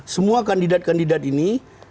semua kandidat kandidat ini